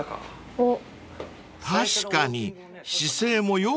おっ！